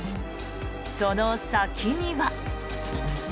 その先には。